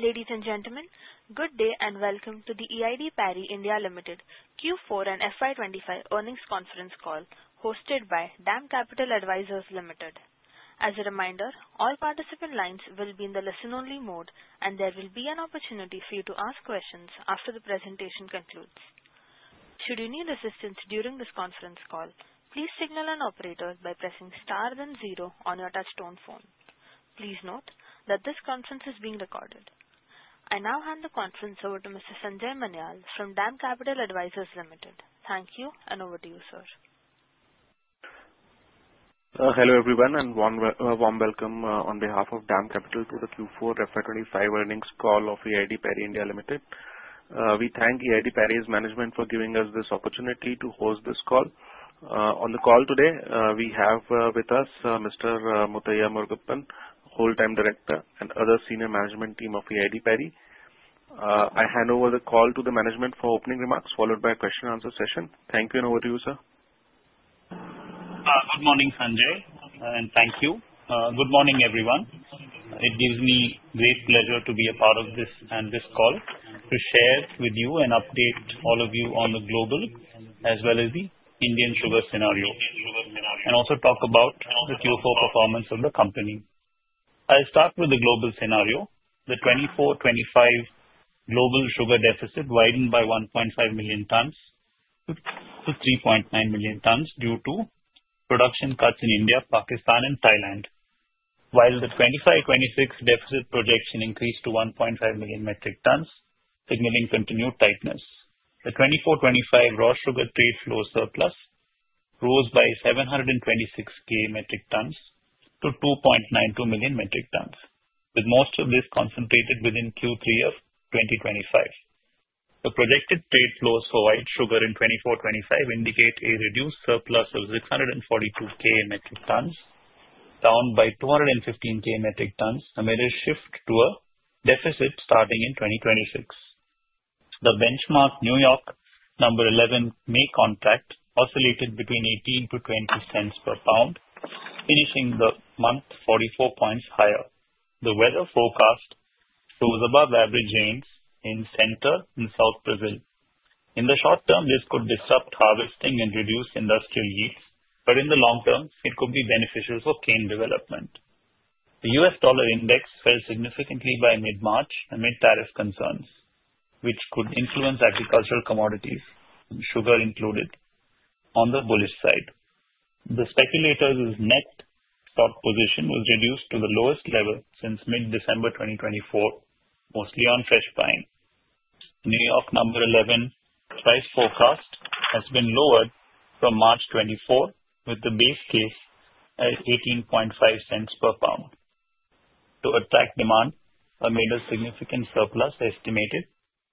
Ladies and gentlemen, good day and welcome to the EID Parry India Limited Q4 and FY2025 earnings conference call hosted by Dam Capital Advisors Limited. As a reminder, all participant lines will be in the listen-only mode, and there will be an opportunity for you to ask questions after the presentation concludes. Should you need assistance during this conference call, please signal an operator by pressing star then zero on your touch-tone phone. Please note that this conference is being recorded. I now hand the conference over to Mr. Sanjay Manyal from Dam Capital Advisors Limited. Thank you, and over to you, sir. Hello everyone, and warm welcome on behalf of Dam Capital to the Q4 FY2025 earnings call of EID Parry India Limited. We thank EID Parry's management for giving us this opportunity to host this call. On the call today, we have with us Mr. Muthaiya Morghupan, Whole-time Director, and other senior management team of EID Parry. I hand over the call to the management for opening remarks, followed by a question-and-answer session. Thank you, and over to you, sir. Good morning, Sanjay, and thank you. Good morning, everyone. It gives me great pleasure to be a part of this call to share with you and update all of you on the global as well as the Indian sugar scenario, and also talk about the Q4 performance of the company. I'll start with the global scenario. The 2024-2025 global sugar deficit widened by 1.5 million tons to 3.9 million tons due to production cuts in India, Pakistan, and Thailand, while the 2025-2026 deficit projection increased to 1.5 million metric tons, signaling continued tightness. The 2024-2025 raw sugar trade flow surplus rose by 726,000 metric tons to 2.92 million metric tons, with most of this concentrated within Q3 of 2025. The projected trade flows for white sugar in 2024-2025 indicate a reduced surplus of 642 K metric tons, down by 215 K metric tons, amid a shift to a deficit starting in 2026. The benchmark New York No. 11 May contract oscillated between 18-20 cents per pound, finishing the month 44 points higher. The weather forecast shows above-average rains in Center and South Brazil. In the short term, this could disrupt harvesting and reduce industrial yields, but in the long term, it could be beneficial for cane development. The US Dollar Index fell significantly by mid-March amid tariff concerns, which could influence agricultural commodities, sugar included, on the bullish side. The speculator's net stock position was reduced to the lowest level since mid-December 2024, mostly on fresh pine. New York number 11 price forecast has been lowered from March 2024, with the base case at 18.5 cents per pound. To attack demand, a major significant surplus estimated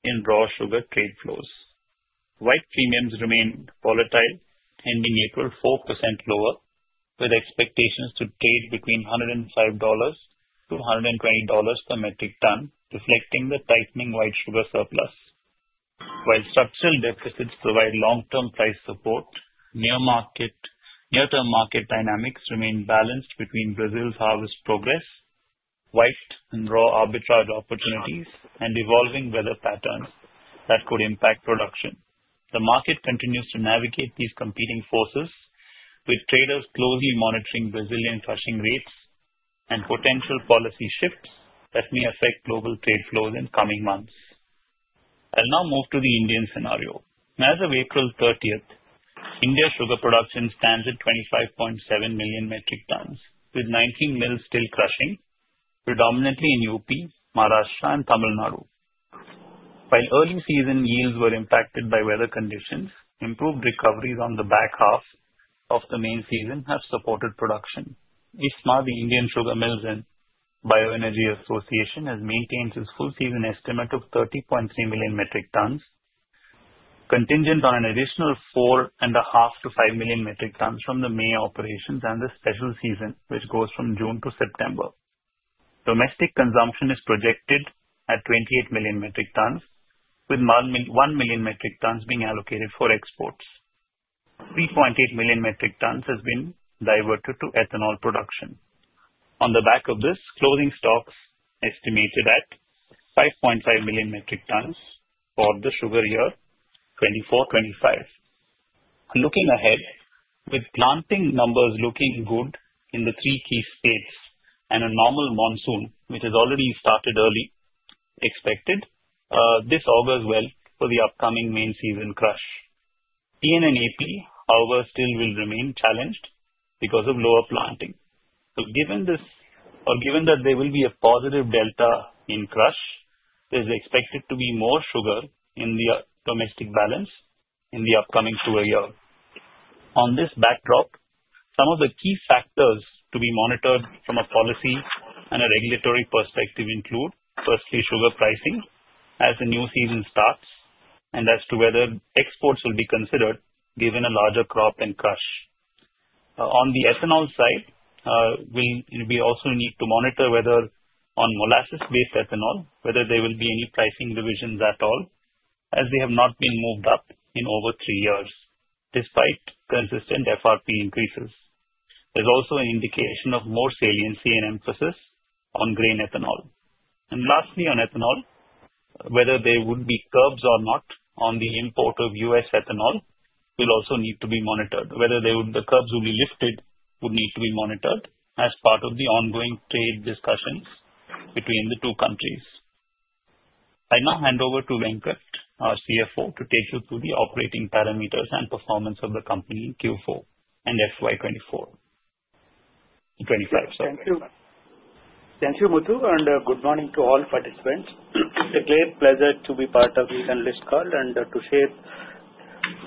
in raw sugar trade flows. White premiums remain volatile, ending April 4% lower, with expectations to trade between $105-$120 per metric ton, reflecting the tightening white sugar surplus. While structural deficits provide long-term price support, near-term market dynamics remain balanced between Brazil's harvest progress, white and raw arbitrage opportunities, and evolving weather patterns that could impact production. The market continues to navigate these competing forces, with traders closely monitoring Brazilian flushing rates and potential policy shifts that may affect global trade flows in coming months. I'll now move to the Indian scenario. As of April 30, India's sugar production stands at 25.7 million metric tons, with 19 mills still crushing, predominantly in Uttar Pradesh, Maharashtra, and Tamil Nadu. While early season yields were impacted by weather conditions, improved recoveries on the back half of the main season have supported production. ISMA, the Indian Sugar Mills Association, has maintained its full-season estimate of 30.3 million metric tons, contingent on an additional 4.5-5 million metric tons from the May operations and the special season, which goes from June to September. Domestic consumption is projected at 28 million metric tons, with 1 million metric tons being allocated for exports. 3.8 million metric tons have been diverted to ethanol production. On the back of this, closing stocks estimated at 5.5 million metric tons for the sugar year 2024-2025. Looking ahead, with planting numbers looking good in the three key states and a normal monsoon, which has already started early, expected this augurs well for the upcoming main season crush. Nadu and Andhra Pradesh, however, still will remain challenged because of lower planting. Given this, or given that there will be a positive delta in crush, there is expected to be more sugar in the domestic balance in the upcoming sugar year. On this backdrop, some of the key factors to be monitored from a policy and a regulatory perspective include, firstly, sugar pricing as the new season starts and as to whether exports will be considered given a larger crop and crush. On the ethanol side, we also need to monitor whether on molasses-based ethanol, whether there will be any pricing revisions at all, as they have not been moved up in over three years despite consistent FRP increases. There is also an indication of more saliency and emphasis on grain ethanol. Lastly, on ethanol, whether there would be curbs or not on the import of US ethanol will also need to be monitored. Whether the curbs will be lifted would need to be monitored as part of the ongoing trade discussions between the two countries. I now hand over to Venkat, our CFO, to take you through the operating parameters and performance of the company in Q4 and FY2025. Thank you. Thank you, Muthu, and good morning to all participants. It's a great pleasure to be part of this list call and to share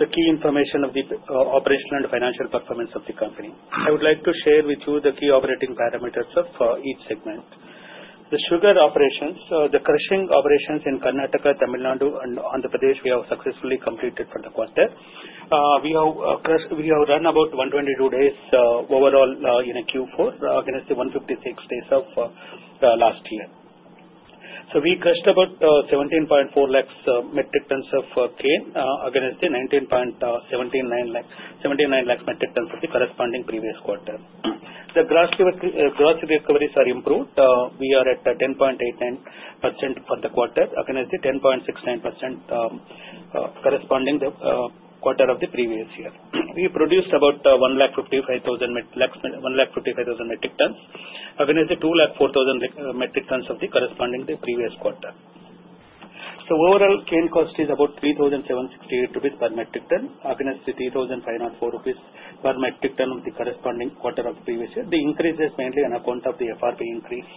the key information of the operational and financial performance of the company. I would like to share with you the key operating parameters of each segment. The sugar operations, the crushing operations in Karnataka, Tamil Nadu, and Andhra Pradesh, we have successfully completed for the quarter. We have run about 122 days overall in Q4 against the 156 days of last year. We crushed about 1.74 million metric tons of cane against the 1.979 million metric tons for the corresponding previous quarter. The gross recoveries are improved. We are at 10.89% for the quarter against the 10.69% corresponding to the quarter of the previous year. We produced about 155,000 metric tons against the 204,000 metric tons of the corresponding previous quarter. Overall, cane cost is about 3,768 rupees per metric ton against the 3,504 rupees per metric ton of the corresponding quarter of the previous year. The increase is mainly on account of the FRP increase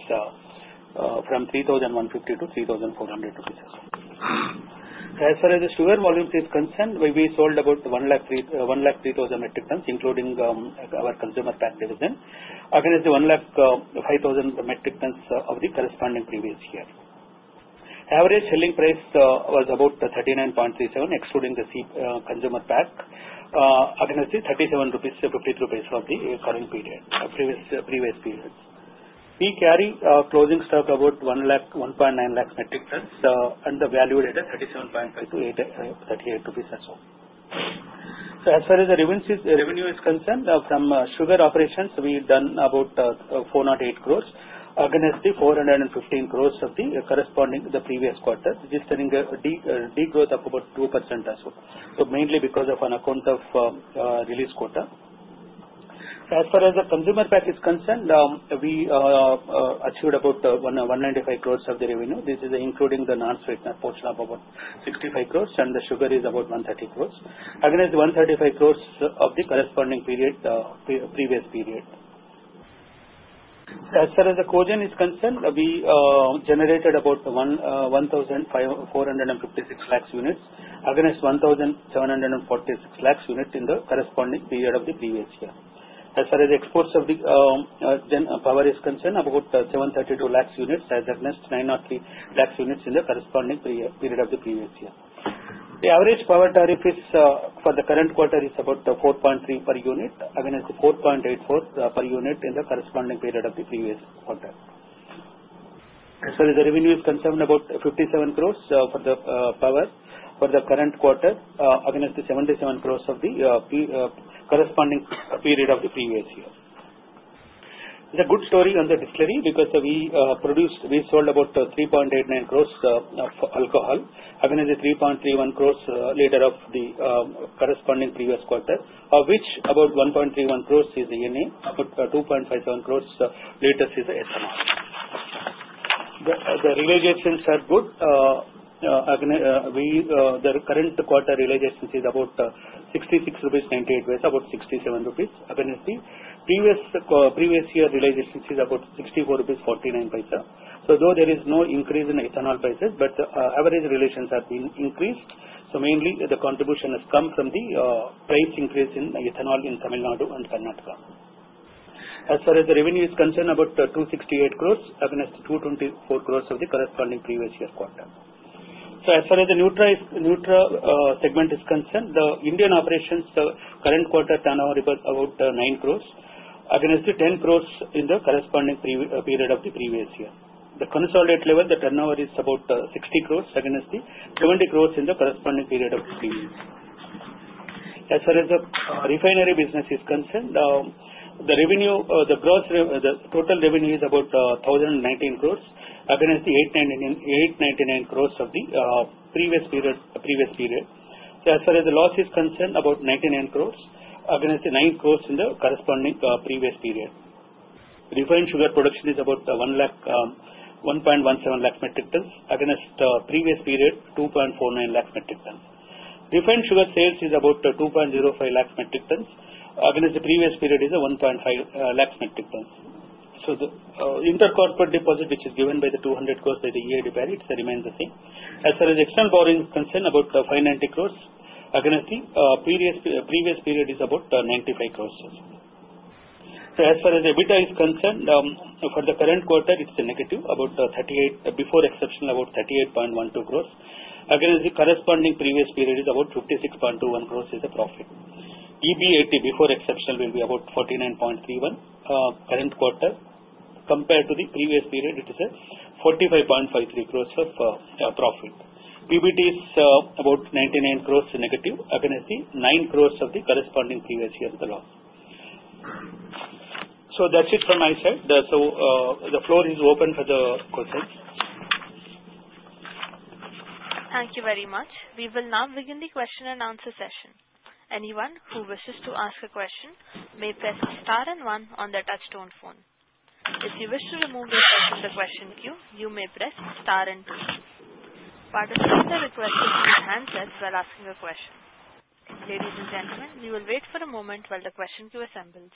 from 3,150 to 3,400 rupees. As far as the sugar volumes are concerned, we sold about 103,000 metric tons, including our consumer pack division, against the 105,000 metric tons of the corresponding previous year. Average selling price was about 39.37, excluding the consumer pack, against the INR 37.52 of the current previous period. We carry closing stock about 1.9 lakh metric tons, and the value rate is 37.5-38 rupees as well. As far as the revenue is concerned, from sugar operations, we've done about 408 crore against the 415 crore of the corresponding previous quarter, registering a degrowth of about 2% as well, mainly because of an account of release quota. As far as the consumer pack is concerned, we achieved about 195 crore of the revenue. This is including the non-sweetener portion of about 65 crore, and the sugar is about 130 crore against the 135 crore of the corresponding previous period. As far as the cogen is concerned, we generated about 1,456 lakh units against 1,746 lakh units in the corresponding period of the previous year. As far as the exports of the power is concerned, about 732 lakh units against 903 lakh units in the corresponding period of the previous year. The average power tariff for the current quarter is about 4.3 per unit against the 4.84 per unit in the corresponding period of the previous quarter. As far as the revenue is concerned, about 570 million for the power for the current quarter against the 770 million of the corresponding period of the previous year. It's a good story on the distillery because we sold about 389 million of alcohol against the 331 million later of the corresponding previous quarter, of which about 131 million is the ENA, about 257 million later is the ethanol. The realizations are good. The current quarter realization is about 66.98 rupees, about 67 rupees against the previous year realization is about 64.49 rupees. Though there is no increase in ethanol prices, the average realizations have been increased. Mainly the contribution has come from the price increase in ethanol in Tamil Nadu and Karnataka. As far as the revenue is concerned, about 268 crore against 224 crore of the corresponding previous year quarter. As far as the neutral segment is concerned, the Indian operations current quarter turnover was about 9 crore against 10 crore in the corresponding period of the previous year. At the consolidated level, the turnover is about 60 crore against 70 crore in the corresponding period of the previous year. As far as the refinery business is concerned, the gross total revenue is about 1,019 crore against 899 crore of the previous period. As far as the loss is concerned, about 99 crore against 9 crore in the corresponding previous period. Refined sugar production is about 1.17 lakh metric tons against the previous period, 2.49 lakh metric tons. Refined sugar sales is about 2.05 lakh metric tons against the previous period, which is 1.5 lakh metric tons. The inter-corporate deposit, which is given by the 200 crores by the EID Parry, remains the same. As far as external borrowing is concerned, about 59 crores against the previous period, which is about 95 crores. As far as EBITDA is concerned, for the current quarter, it's negative, about 38 crores before exception, about 38.12 crores against the corresponding previous period, which is about 56.21 crores as a profit. EBIT before exception will be about 49.31 crores current quarter. Compared to the previous period, it is a 45.53 crores profit. PBT is about 99 crores negative against the INR 90crores of the corresponding previous year as the loss. That's it from my side. The floor is open for the questions. Thank you very much. We will now begin the question and answer session. Anyone who wishes to ask a question may press star and one on the touchstone phone. If you wish to remove yourself from the question queue, you may press star and two. Participants are requested to raise their hands as well as asking a question. Ladies and gentlemen, we will wait for a moment while the question queue assembles.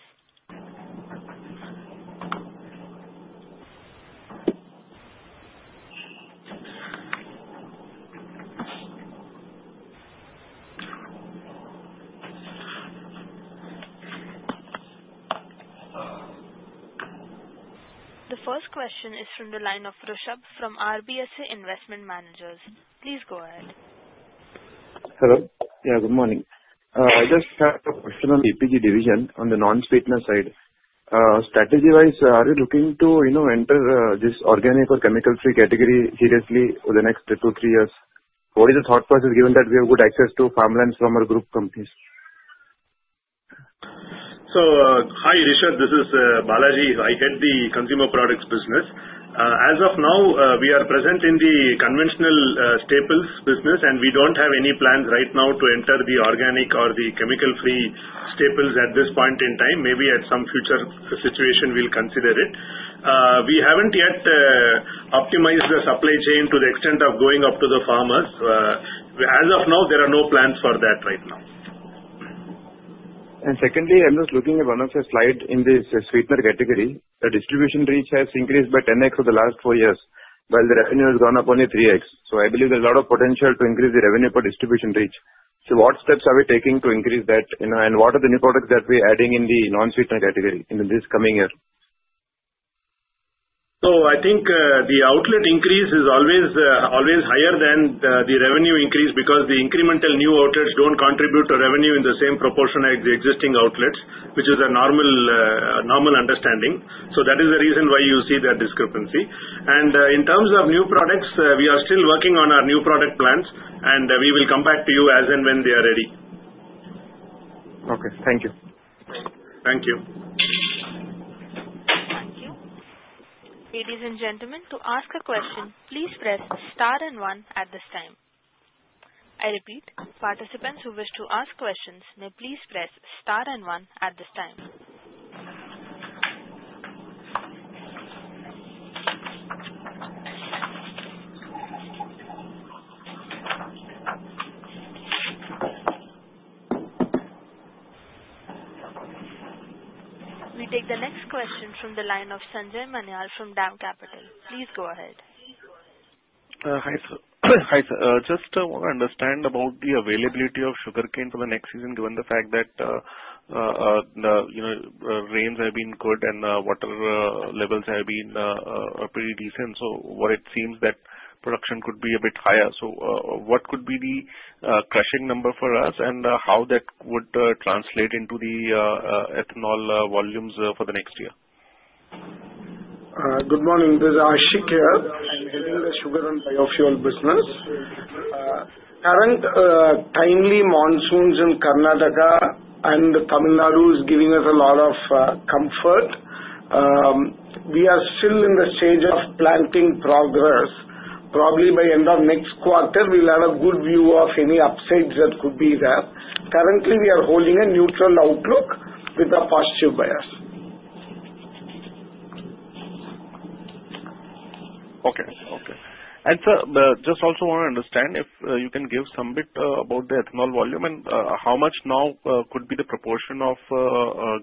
The first question is from the line of Rushab from RBSA Investment Managers. Please go ahead. Hello. Yeah, good morning. I just have a question on the EPG division on the non-sweetener side. Strategy-wise, are you looking to enter this organic or chemical-free category seriously over the next two to three years? What is the thought process given that we have good access to farmlands from our group companies? Hi, Rushab. This is Balaji. I head the consumer products business. As of now, we are present in the conventional staples business, and we do not have any plans right now to enter the organic or the chemical-free staples at this point in time. Maybe at some future situation, we will consider it. We have not yet optimized the supply chain to the extent of going up to the farmers. As of now, there are no plans for that right now. Secondly, I'm just looking at one of your slides in the sweetener category. The distribution reach has increased by 10X over the last four years, while the revenue has gone up only 3X. I believe there's a lot of potential to increase the revenue per distribution reach. What steps are we taking to increase that? What are the new products that we're adding in the non-sweetener category in this coming year? I think the outlet increase is always higher than the revenue increase because the incremental new outlets do not contribute to revenue in the same proportion as the existing outlets, which is a normal understanding. That is the reason why you see that discrepancy. In terms of new products, we are still working on our new product plans, and we will come back to you as and when they are ready. Okay. Thank you. Thank you. Thank you. Ladies and gentlemen, to ask a question, please press star and one at this time. I repeat, participants who wish to ask questions may please press star and one at this time. We take the next question from the line of Sanjay Manyal from Dam Capital. Please go ahead. Hi, sir. Just want to understand about the availability of sugarcane for the next season, given the fact that the rains have been good and the water levels have been pretty decent. What it seems is that production could be a bit higher. What could be the crushing number for us, and how would that translate into the ethanol volumes for the next year? Good morning. This is Ashik here. I'm heading the sugar and biofuel business. Current timely monsoons in Karnataka and Tamil Nadu is giving us a lot of comfort. We are still in the stage of planting progress. Probably by end of next quarter, we'll have a good view of any upsides that could be there. Currently, we are holding a neutral outlook with a positive bias. Okay. Okay. Sir, just also want to understand if you can give some bit about the ethanol volume and how much now could be the proportion of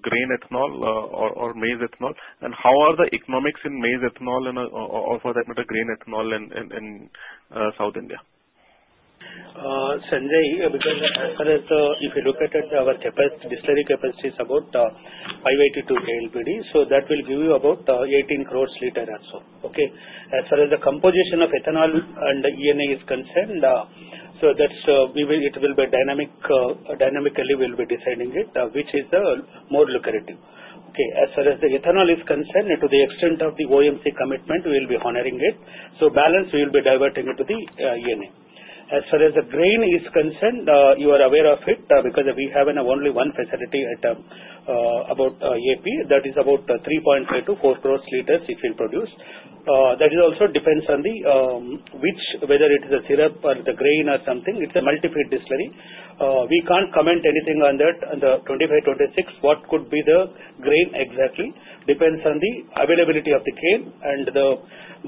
grain ethanol or maize ethanol, and how are the economics in maize ethanol and, for that matter, grain ethanol in South India? Sanjay, because as far as if you look at our capacity, distillery capacity is about 582 KLPD, so that will give you about 1.8 billion liters as well. Okay? As far as the composition of ethanol and ENA is concerned, it will be dynamically we'll be deciding it, which is more lucrative. Okay? As far as the ethanol is concerned, to the extent of the OMC commitment, we'll be honoring it. Balance, we'll be diverting it to the ENA. As far as the grain is concerned, you are aware of it because we have only one facility at about Andhra Pradesh. That is about 350 million-400 million liters it will produce. That also depends on whether it is a syrup or the grain or something. It's a multi-feed distillery. We can't comment anything on that. On the 25, 26 what could be the grain exactly depends on the availability of the cane and the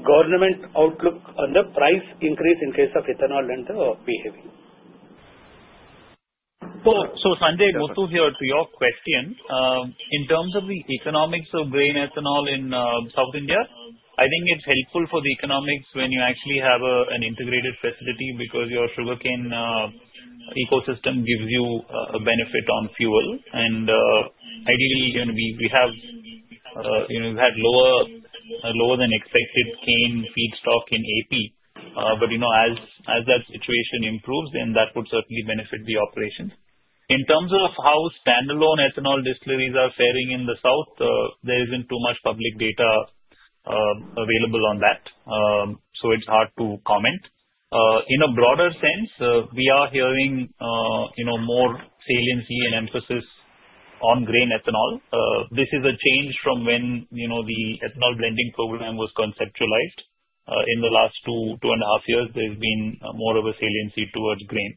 government outlook on the price increase in case of ethanol and the behavior. Sanjay, going to your question, in terms of the economics of grain ethanol in South India, I think it's helpful for the economics when you actually have an integrated facility because your sugarcane ecosystem gives you a benefit on fuel. Ideally, we have had lower than expected cane feedstock in Andhra Pradesh. As that situation improves, that would certainly benefit the operations. In terms of how standalone ethanol display are faring in the south, there isn't too much public data available on that, so it's hard to comment. In a broader sense, we are hearing more saliency and emphasis on grain ethanol. This is a change from when the Ethanol Blending Program was conceptualized. In the last two and a half years, there's been more of a saliency towards grain,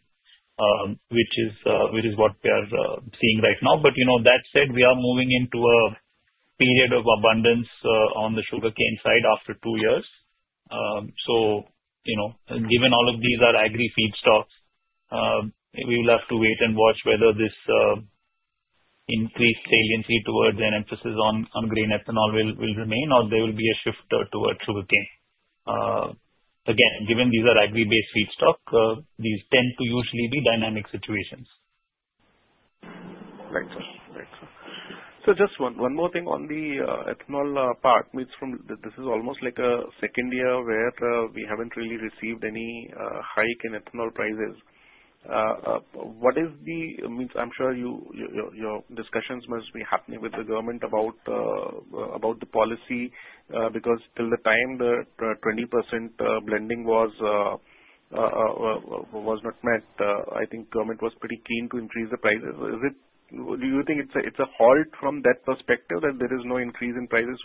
which is what we are seeing right now. That said, we are moving into a period of abundance on the sugarcane side after two years. Given all of these are agri feedstocks, we will have to wait and watch whether this increased saliency towards an emphasis on grain ethanol will remain or there will be a shift towards sugarcane. Again, given these are agri-based feedstocks, these tend to usually be dynamic situations. Right. Right. So just one more thing on the ethanol part. This is almost like a second year where we haven't really received any hike in ethanol prices. What does that mean? I'm sure your discussions must be happening with the government about the policy because till the time the 20% blending was not met, I think government was pretty keen to increase the prices. Do you think it's a halt from that perspective that there is no increase in prices?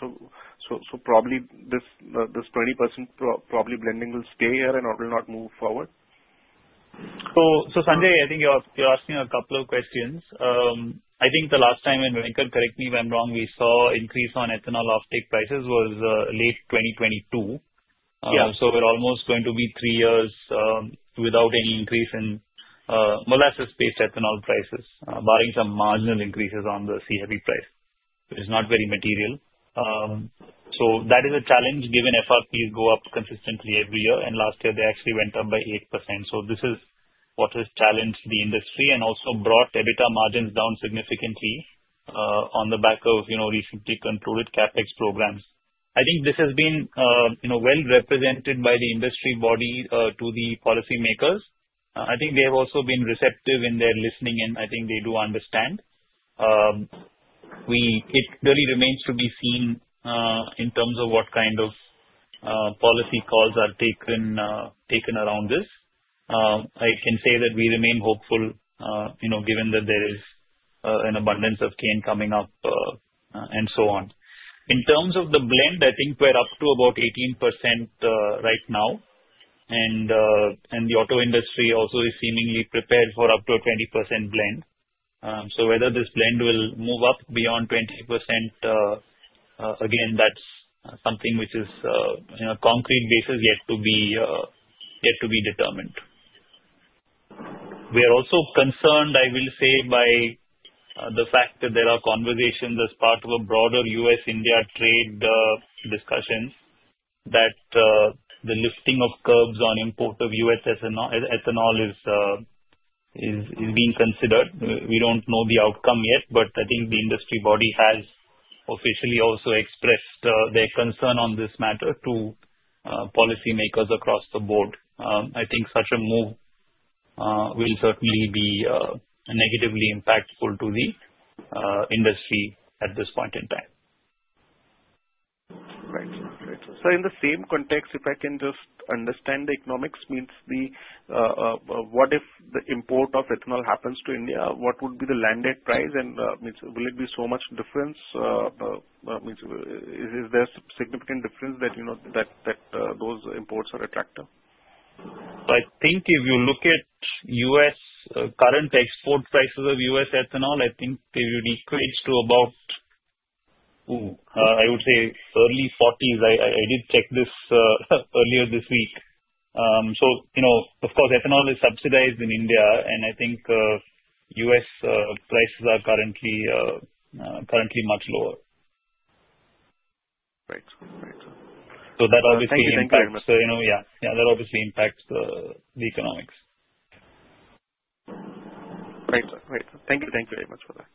Probably this 20% blending will stay here and will not move forward? Sanjay, I think you're asking a couple of questions. I think the last time, and Venkat, correct me if I'm wrong, we saw an increase on ethanol offtake prices was late 2022. We're almost going to be three years without any increase in molasses-based ethanol prices, barring some marginal increases on the CFE price, which is not very material. That is a challenge given FRPs go up consistently every year. Last year, they actually went up by 8%. This is what has challenged the industry and also brought EBITDA margins down significantly on the back of recently concluded CapEx programs. I think this has been well represented by the industry body to the policymakers. I think they have also been receptive in their listening, and I think they do understand. It really remains to be seen in terms of what kind of policy calls are taken around this. I can say that we remain hopeful given that there is an abundance of cane coming up and so on. In terms of the blend, I think we're up to about 18% right now. The auto industry also is seemingly prepared for up to a 20% blend. Whether this blend will move up beyond 20%, again, that's something which is on a concrete basis yet to be determined. We are also concerned, I will say, by the fact that there are conversations as part of a broader U.S.-India trade discussions that the lifting of curbs on import of US ethanol is being considered. We don't know the outcome yet, but I think the industry body has officially also expressed their concern on this matter to policymakers across the board. I think such a move will certainly be negatively impactful to the industry at this point in time. Right. Right. In the same context, if I can just understand the economics, what if the import of ethanol happens to India, what would be the landed price? Will it be so much difference? Is there a significant difference that those imports are attractive? I think if you look at U.S. current export prices of U.S. ethanol, I think they would equate to about, I would say, early 40s. I did check this earlier this week. Of course, ethanol is subsidized in India, and I think U.S. prices are currently much lower. Right. Right. That obviously impacts. I think the environment. Yeah, that obviously impacts the economics. Right. Right. Thank you. Thank you very much for that.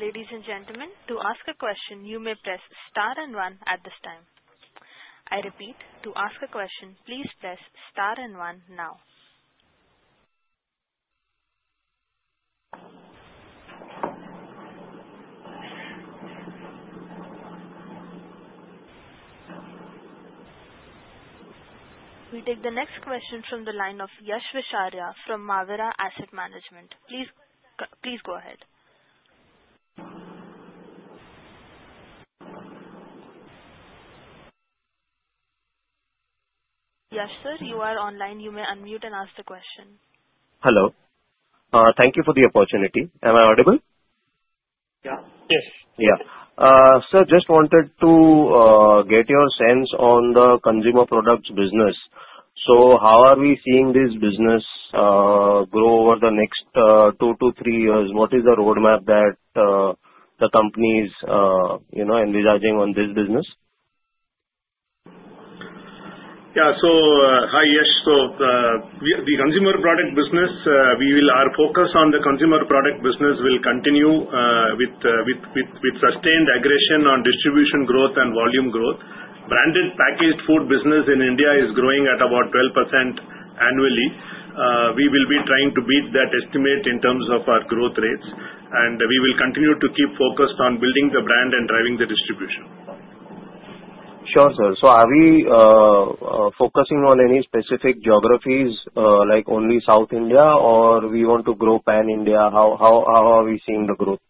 Ladies and gentlemen, to ask a question, you may press star and one at this time. I repeat, to ask a question, please press star and one now. We take the next question from the line of Yash Visharia from Mavira Asset Management. Please go ahead. Yash sir, you are online. You may unmute and ask the question. Hello. Thank you for the opportunity. Am I audible? Yeah. Yes. Yeah. Sir, just wanted to get your sense on the consumer products business. How are we seeing this business grow over the next two to three years? What is the roadmap that the company is envisaging on this business? Yeah. Hi, Yash. The consumer product business, we will focus on the consumer product business, will continue with sustained aggression on distribution growth and volume growth. Branded packaged food business in India is growing at about 12% annually. We will be trying to beat that estimate in terms of our growth rates. We will continue to keep focused on building the brand and driving the distribution. Sure, sir. So are we focusing on any specific geographies like only South India, or do we want to grow pan-India? How are we seeing the growth?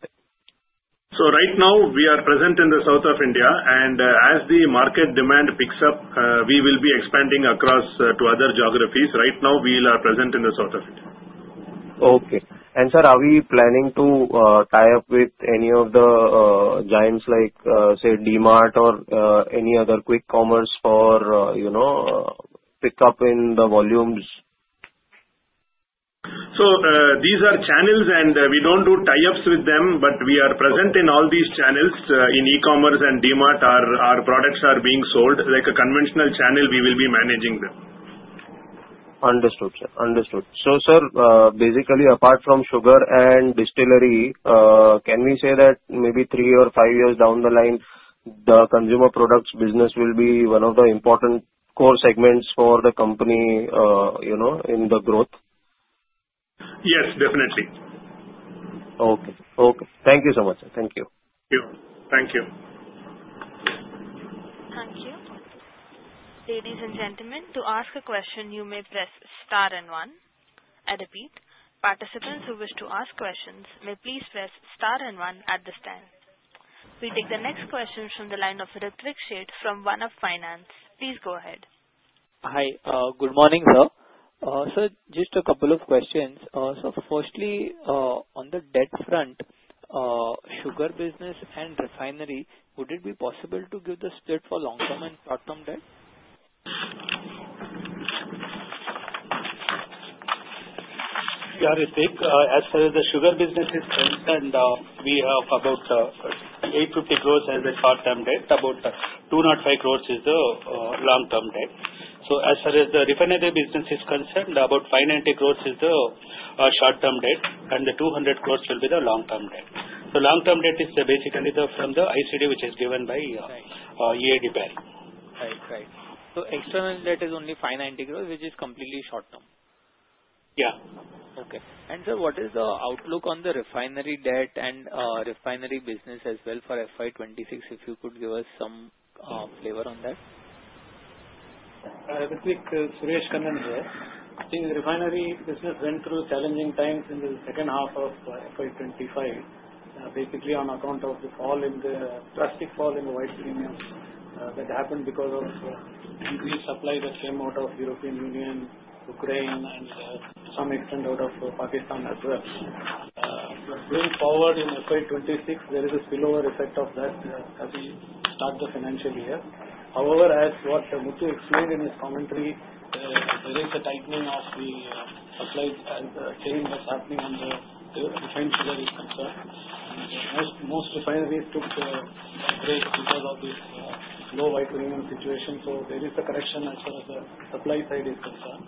Right now, we are present in the south of India. As the market demand picks up, we will be expanding across to other geographies. Right now, we are present in the south of India. Okay. Sir, are we planning to tie up with any of the giants like, say, D-Mart or any other quick commerce for pickup in the volumes? These are channels, and we do not do tie-ups with them. We are present in all these channels in e-commerce and D-Mart. Our products are being sold. Like a conventional channel, we will be managing them. Understood, sir. Understood. So sir, basically, apart from sugar and distillery, can we say that maybe three or five years down the line, the consumer products business will be one of the important core segments for the company in the growth? Yes, definitely. Okay. Okay. Thank you so much, sir. Thank you. Thank you. Thank you. Ladies and gentlemen, to ask a question, you may press star and one. I repeat, participants who wish to ask questions may please press star and one at this time. We take the next question from the line of Ritviksheet from OneUp Finance. Please go ahead. Hi. Good morning, sir. Sir, just a couple of questions. Firstly, on the debt front, sugar business and refinery, would it be possible to give the split for long-term and short-term debt? Yeah. I think as far as the sugar business is concerned, we have about 850 crore as the short-term debt. About 205 crore is the long-term debt. As far as the refinery business is concerned, about 590 crore is the short-term debt. The 200 crore will be the long-term debt. Long-term debt is basically from the ICD, which is given by EID Parry. Right. Right. So external debt is only 590 crore, which is completely short-term? Yeah. Okay. Sir, what is the outlook on the refinery debt and refinery business as well for FY 2026? If you could give us some flavor on that. I have a quick. Suresh Kannan here. The refinery business went through challenging times in the second half of FY2025, basically on account of the drastic fall in the oil premiums that happened because of increased supply that came out of the European Union, Ukraine, and to some extent out of Pakistan as well. Going forward in FY2026, there is a spillover effect of that as we start the financial year. However, as what Muthu explained in his commentary, there is a tightening of the supply chain that's happening on the refinery is concerned. Most refineries took a break because of this low oil premium situation. There is a correction as far as the supply side is concerned.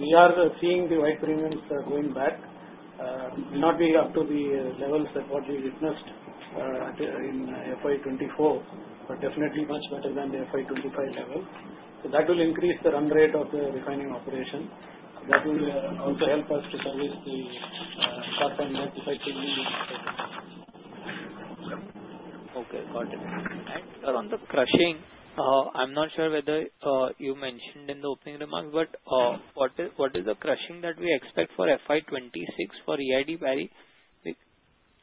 We are seeing the oil premiums going back. It will not be up to the levels that what we witnessed in FY 2024, but definitely much better than the FY 2025 level. That will increase the run rate of the refining operation. That will also help us to service the short-term debt effectively. Okay. Got it. On the crushing, I'm not sure whether you mentioned in the opening remarks, but what is the crushing that we expect for FY2026 for EID Parry?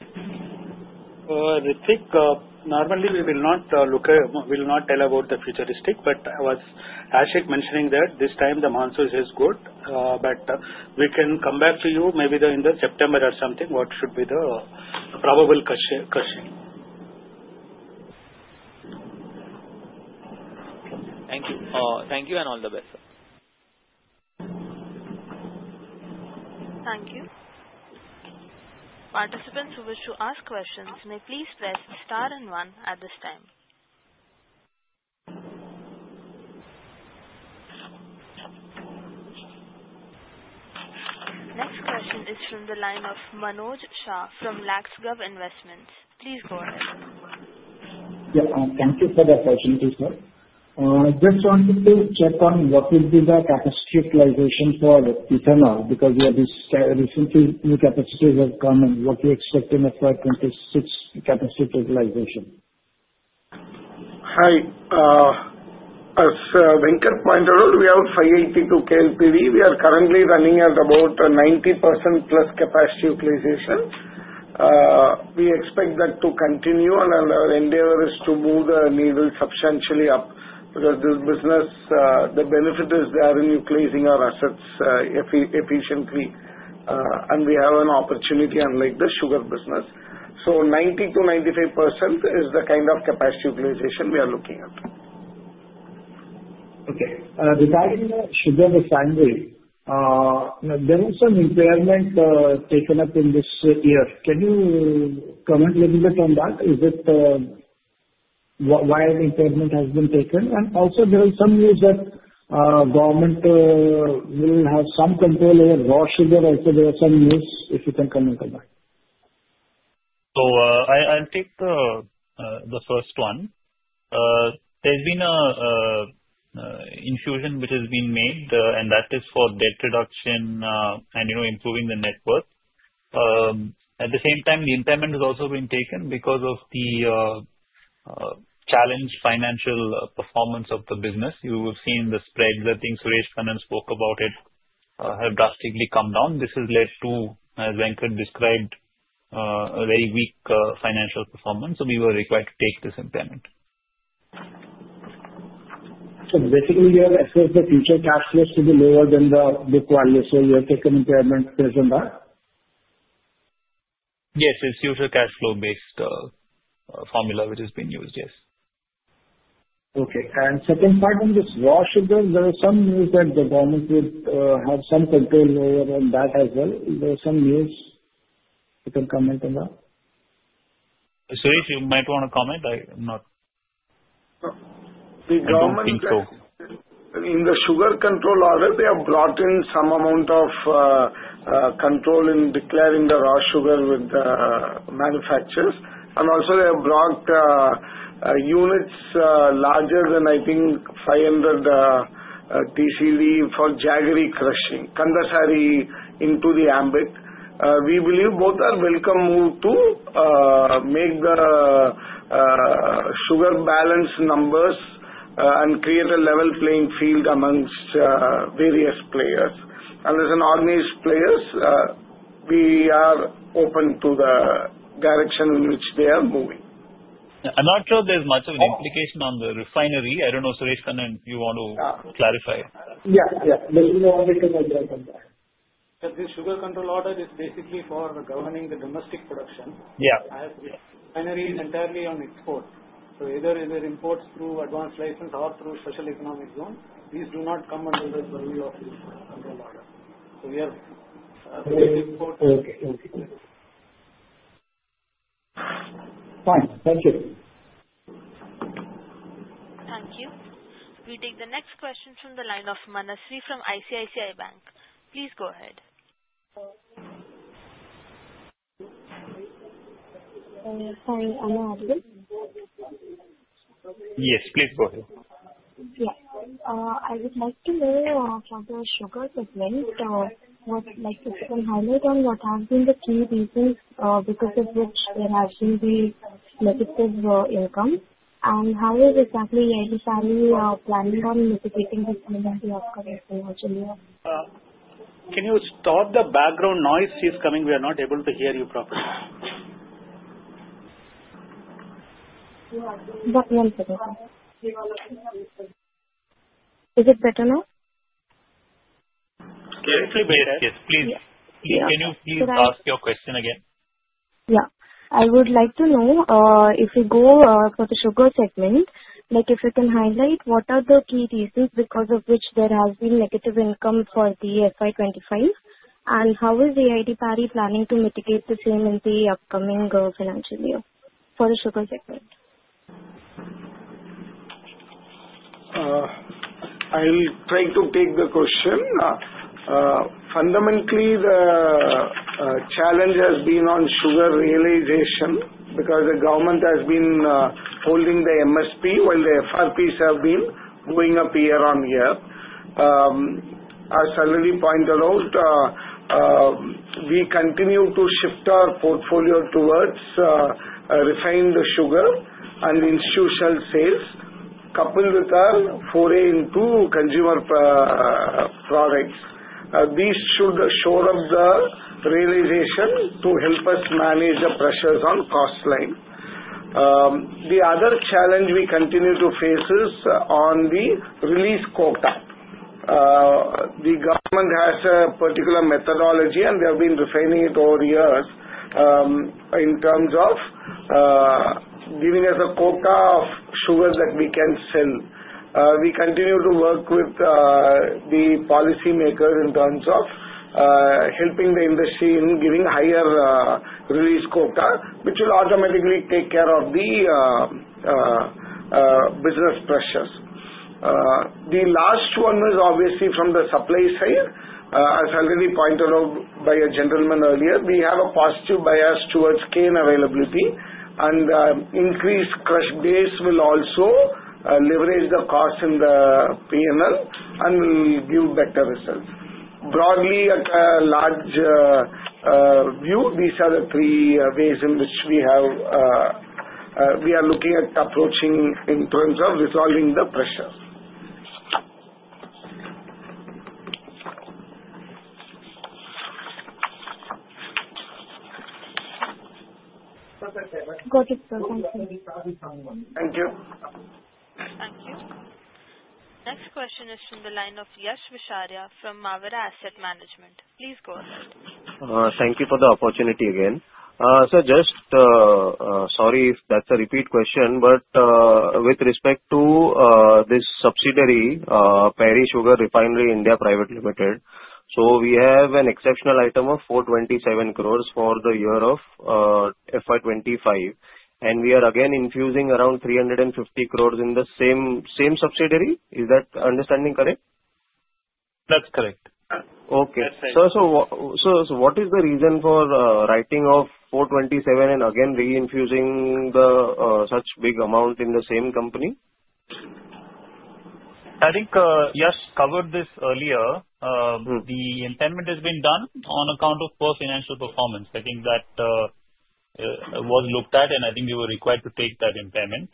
I think normally we will not tell about the futuristic. I was asked mentioning that this time the monsoon is good. We can come back to you maybe in September or something what should be the probable crushing. Thank you. Thank you and all the best, sir. Thank you. Participants who wish to ask questions may please press star and one at this time. Next question is from the line of Manoj Shah from Laxgove Investments. Please go ahead. Yeah. Thank you for the opportunity, sir. I just wanted to check on what will be the capacity utilization for ethanol because recently new capacities have come in. What do you expect in FY2026 capacity utilization? Hi. As Venkat pointed out, we have 582 KLPD. We are currently running at about 90% plus capacity utilization. We expect that to continue. Our endeavor is to move the needle substantially up because this business, the benefit is there in utilizing our assets efficiently. We have an opportunity unlike the sugar business. 90-95% is the kind of capacity utilization we are looking at. Okay. Regarding the sugar refinery, there is some impairment taken up in this year. Can you comment a little bit on that? Why the impairment has been taken? Also, there is some news that government will have some control over raw sugar. Also, there are some news. If you can comment on that. I'll take the first one. There's been an infusion which has been made, and that is for debt reduction and improving the net worth. At the same time, the impairment has also been taken because of the challenged financial performance of the business. You will have seen the spread. I think Suresh Kannan spoke about it. It has drastically come down. This has led to, as Venkat described, a very weak financial performance. We were required to take this impairment. Basically, you have assured the future cash flows to be lower than the book value. You have taken impairment based on that? Yes. It's future cash flow-based formula which has been used. Yes. Okay. Second part on this raw sugar, there is some news that the government would have some control over that as well. Is there some news? You can comment on that? Suresh, you might want to comment. I'm not. I think so. In the sugar control order, they have brought in some amount of control in declaring the raw sugar with the manufacturers. They have also brought units larger than, I think, 500 TCV for Jaggery crushing, Kandasari into the ambit. We believe both are a welcome move to make the sugar balance numbers and create a level playing field amongst various players. As an organized player, we are open to the direction in which they are moving. I'm not sure there's much of an implication on the refinery. I don't know, Suresh Kannan, if you want to clarify. Yeah. Yeah. Basically, I wanted to address on that. This sugar control order is basically for governing the domestic production. The refinery is entirely on export. Either it imports through advanced license or through special economic zone. These do not come under the purview of this control order. We are exporting. Okay. Okay. Fine. Thank you. Thank you. We take the next question from the line of Manasvi from ICICI Bank. Please go ahead. Yes. Please go ahead. Yeah. I would like to know for the sugar segment, what specifically highlight on what have been the key reasons because of which there has been the negative income? And how is exactly EID Parry planning on mitigating this in the upcoming financial year? Can you stop the background noise? She's coming. We are not able to hear you properly. One second. Is it better now? Currently, better. Yes. Please. Yeah. Can you please ask your question again? Yeah. I would like to know if we go for the sugar segment, if you can highlight what are the key reasons because of which there has been negative income for the FY2025? How is EID Parry planning to mitigate the same in the upcoming financial year for the sugar segment? I'll try to take the question. Fundamentally, the challenge has been on sugar realization because the government has been holding the MSP while the FRPs have been going up year on year. As already pointed out, we continue to shift our portfolio towards refined sugar and institutional sales, coupled with our foray into consumer products. These should shore up the realization to help us manage the pressures on cost line. The other challenge we continue to face is on the release quota. The government has a particular methodology, and they have been refining it over years in terms of giving us a quota of sugar that we can sell. We continue to work with the policymakers in terms of helping the industry in giving higher release quota, which will automatically take care of the business pressures. The last one is obviously from the supply side. As already pointed out by a gentleman earlier, we have a positive bias towards cane availability. An increased crush base will also leverage the cost in the P&L and will give better results. Broadly, at a large view, these are the three ways in which we are looking at approaching in terms of resolving the pressures. Got it. Thank you. Thank you. Next question is from the line of Yash Visharia from Mavira Asset Management. Please go ahead. Thank you for the opportunity again. Sir, just sorry if that's a repeat question. With respect to this subsidiary, Parry Sugars Refinery India Private Limited, we have an exceptional item of 4.27 billion for the year of FY 2025. We are again infusing around 3.5 billion in the same subsidiary. Is that understanding correct? That's correct. Okay. Sir, what is the reason for writing off 427 and again re-infusing such a big amount in the same company? I think Yash covered this earlier. The impairment has been done on account of poor financial performance. I think that was looked at, and I think we were required to take that impairment.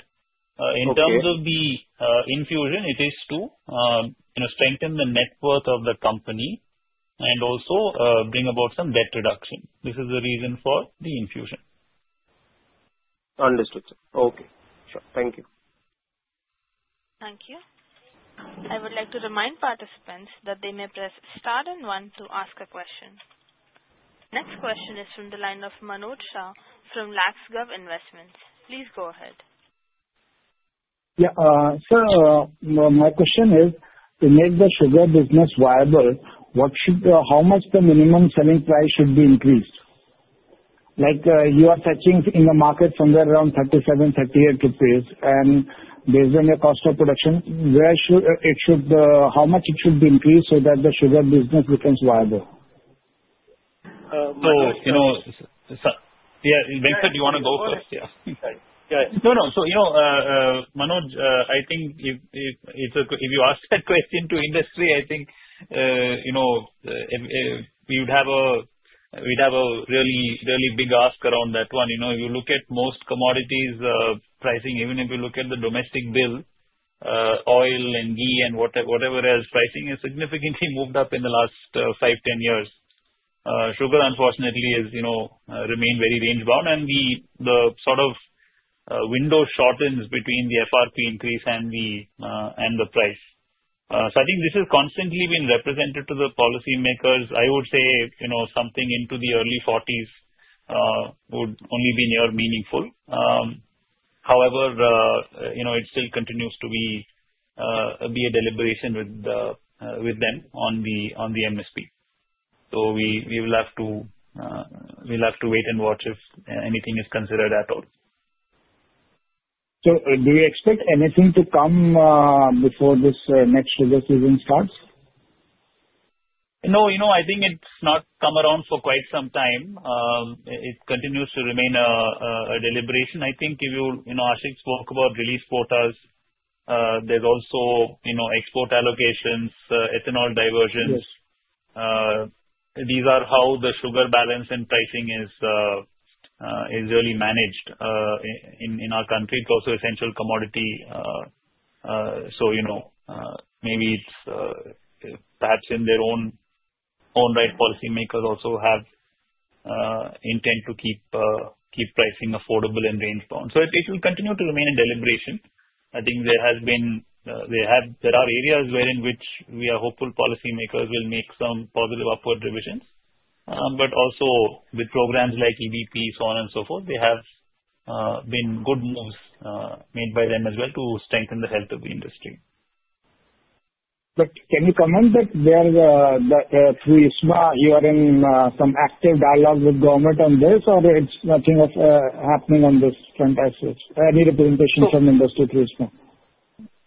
In terms of the infusion, it is to strengthen the net worth of the company and also bring about some debt reduction. This is the reason for the infusion. Understood. Okay. Sure. Thank you. Thank you. I would like to remind participants that they may press star and one to ask a question. Next question is from the line of Manoj Shah from Laxgove Investments. Please go ahead. Yeah. Sir, my question is, to make the sugar business viable, how much the minimum selling price should be increased? You are touching in the market somewhere around 37-38 rupees. And based on your cost of production, how much it should be increased so that the sugar business becomes viable? Yeah. Venkat, you want to go first? Yeah. Go ahead. No, no. Manoj, I think if you ask that question to industry, I think we'd have a really big ask around that one. If you look at most commodities pricing, even if you look at the domestic bill, oil and ghee and whatever else, pricing has significantly moved up in the last 5-10 years. Sugar, unfortunately, has remained very range-bound. The sort of window shortens between the FRP increase and the price. I think this has constantly been represented to the policymakers. I would say something into the early 40s would only be near meaningful. However, it still continues to be a deliberation with them on the MSP. We will have to wait and watch if anything is considered at all. Do you expect anything to come before this next sugar season starts? No. I think it's not come around for quite some time. It continues to remain a deliberation. I think if you asked me to talk about release quotas, there's also export allocations, ethanol diversions. These are how the sugar balance and pricing is really managed in our country. It's also essential commodity. Maybe it's perhaps in their own right, policymakers also have intent to keep pricing affordable and range-bound. It will continue to remain a deliberation. I think there are areas wherein which we are hopeful policymakers will make some positive upward revisions. Also with programs like EBP, so on and so forth, there have been good moves made by them as well to strengthen the health of the industry. Can you comment that through ISMA, you are in some active dialogue with government on this, or it's nothing happening on this front? Any representation from industry to ISMA?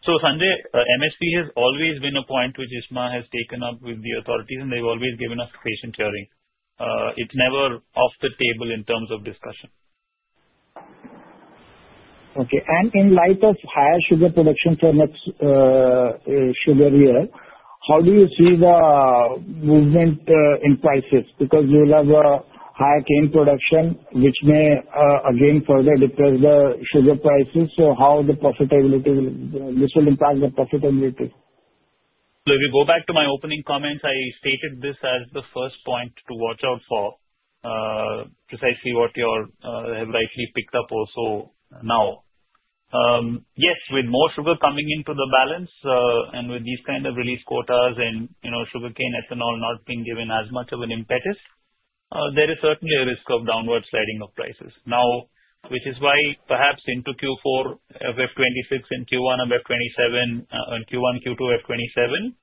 MSP has always been a point which ISMA has taken up with the authorities, and they've always given us patient hearing. It's never off the table in terms of discussion. Okay. In light of higher sugar production for next sugar year, how do you see the movement in prices? Because you'll have higher cane production, which may again further depress the sugar prices. How will this impact the profitability? If you go back to my opening comments, I stated this as the first point to watch out for, precisely what you have rightly picked up also now. Yes, with more sugar coming into the balance and with these kind of release quotas and sugarcane ethanol not being given as much of an impetus, there is certainly a risk of downward sliding of prices. Now, which is why perhaps into Q4, 2026 and Q1 and Q2, 2027,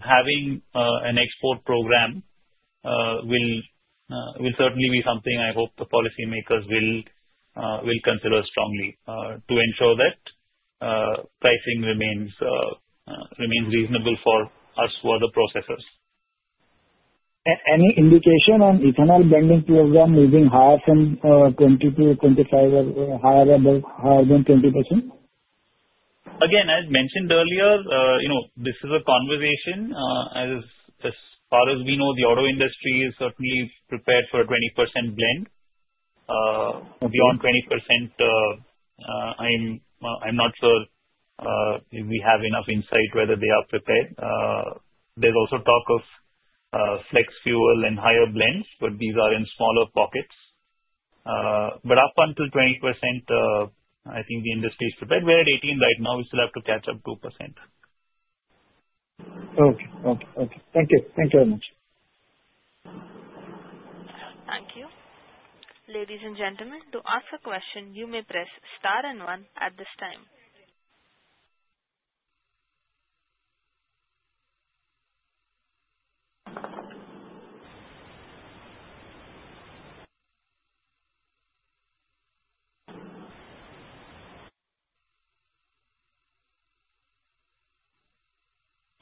having an export program will certainly be something I hope the policymakers will consider strongly to ensure that pricing remains reasonable for us, for the processors. Any indication on Ethanol Blending Program moving higher from 20% to 25% or higher than 20%? Again, as mentioned earlier, this is a conversation. As far as we know, the auto industry is certainly prepared for a 20% blend. Beyond 20%, I'm not sure if we have enough insight whether they are prepared. There's also talk of flex fuel and higher blends, but these are in smaller pockets. Up until 20%, I think the industry is prepared. We're at 18% right now. We still have to catch up 2%. Okay. Thank you very much. Thank you. Ladies and gentlemen, to ask a question, you may press star and one at this time.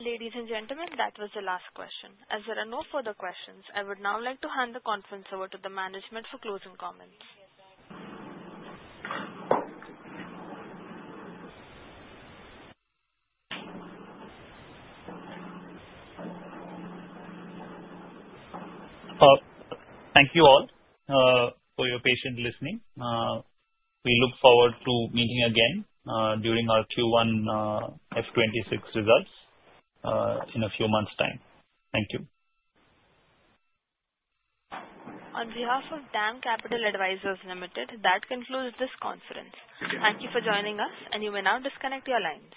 Ladies and gentlemen, that was the last question. As there are no further questions, I would now like to hand the conference over to the management for closing comments. Thank you all for your patient listening. We look forward to meeting again during our Q1 F2026 results in a few months' time. Thank you. On behalf of Dam Capital Advisors Limited, that concludes this conference. Thank you for joining us, and you may now disconnect your lines.